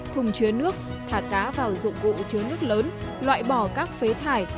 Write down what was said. thùng chứa nước thả cá vào dụng cụ chứa nước lớn loại bỏ các phế thải